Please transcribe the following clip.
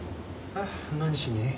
何しに？